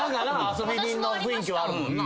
遊び人の雰囲気はあるもんな。